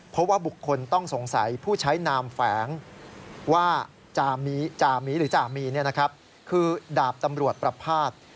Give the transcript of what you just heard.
เพราะว่าบุคคลต้องสงสัยผู้ใช้นามแฝงว่าจามีหรือจ่ามีคือดาบตำรวจประพาท